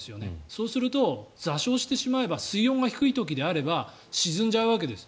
そうすると、座礁してしまえば水温が低い時であれば沈んじゃうわけです。